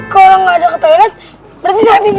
kalau gak ada ke toilet berarti saya pipis